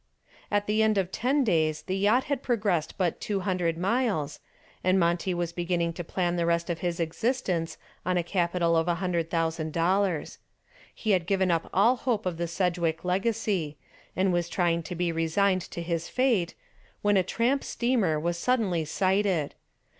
At the end of ten days the yacht had progressed but two hundred miles and Monty was beginning to plan the rest of his existence on a capital of $100,000. He had given up all hope of the Sedgwick legacy and was trying to be resigned to his fate, when a tramp steamer was suddenly sighted.